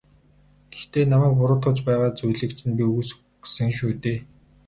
Гэхдээ намайг буруутгаж байгаа зүйлийг чинь би үгүйсгэсэн шүү дээ.